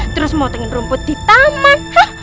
terus motongin rumput di taman